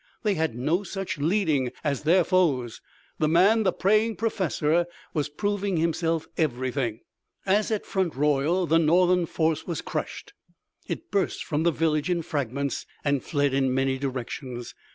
They had no such leading as their foes. The man, the praying professor, was proving himself everything. As at Front Royal, the Northern force was crushed. It burst from the village in fragments, and fled in many directions.